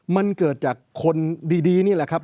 มันเกิดจากคนดีนี่แหละครับ